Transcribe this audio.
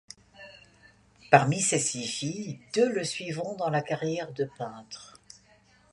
Parmi ses six filles, deux le suivront dans la carrière de peintre.